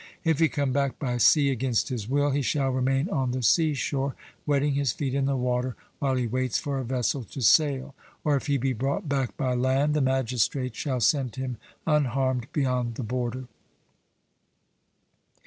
If he come back by sea against his will, he shall remain on the seashore, wetting his feet in the water while he waits for a vessel to sail; or if he be brought back by land, the magistrates shall send him unharmed beyond the border.